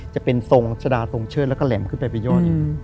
จะเป็นชะดาทรงเชิดและก็แหลมขึ้นไปไปยอด